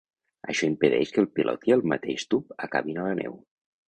Això impedeix que el pilot i el mateix tub acabin a la neu.